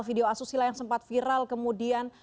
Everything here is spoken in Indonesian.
video asusila yang sempat viral kemudian